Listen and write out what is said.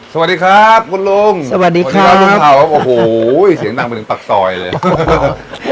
สวัสดีครับลุงสวัสดีครับโหะหูเจ๋งดังเป็นถักสอยเลย